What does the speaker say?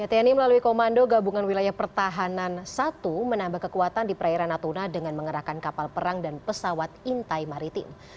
tni melalui komando gabungan wilayah pertahanan satu menambah kekuatan di perairan natuna dengan mengerahkan kapal perang dan pesawat intai maritim